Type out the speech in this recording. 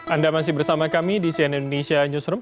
anda masih bersama kami di cnn indonesia newsroom